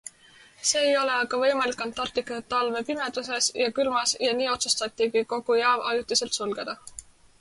See ei ole aga võimalik Antarktika talve pimeduses ja külmas ja nii otsustatigi kogu jaam ajutiselt sulgeda.